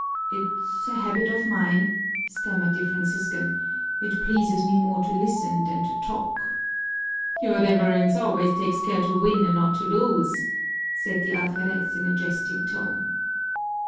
"It's a habit of mine," stammered the Franciscan. "It pleases me more to listen than to talk." "Your Reverence always takes care to win and not to lose," said the alferez in a jesting tone.